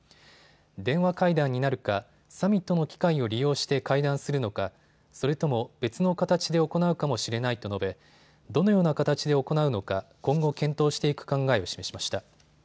電話会談になるか、サミットの機会を利用して会談するのか、それとも別の形で行うかもしれないと述べどのような形で行うのか今後検討していく考えを示しました。